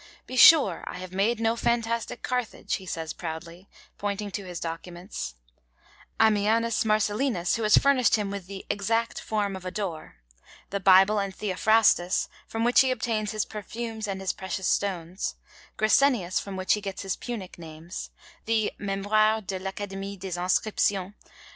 'Be sure I have made no fantastic Carthage,' he says proudly, pointing to his documents; Ammianus Marcellinus, who has furnished him with 'the exact form of a door'; the Bible and Theophrastus, from which he obtains his perfumes and his precious stones; Gresenius, from whom he gets his Punic names; the Mémoires de l'Académie des Inscriptions.